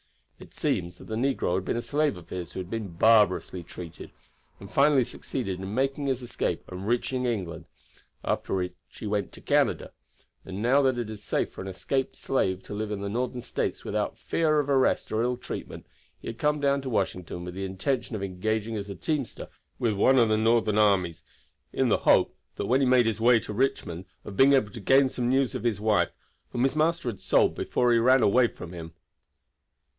It seems that the negro had been a slave of his who had been barbarously treated, and finally succeeded in making his escape and reaching England, after which he went to Canada; and now that it is safe for an escaped slave to live in the Northern States without fear of arrest or ill treatment he had come down to Washington with the intention of engaging as a teamster with one of the Northern armies, in the hope when he made his way to Richmond of being able to gain some news of his wife, whom his master had sold before he ran away from him."